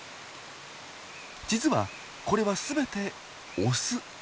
実はこれは全てオス。